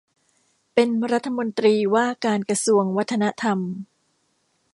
เป็นรัฐมนตรีว่าการกระทรวงวัฒนธรรม